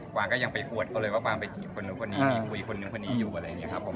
วางก็ยังไปกวดเขาเลยว่ากวางไปจีบคนนู้นคนนี้คุยคนนู้นคนนี้อยู่อะไรอย่างนี้ครับผม